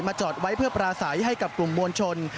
จอดไว้เพื่อปราศัยให้กับกลุ่มมวลชน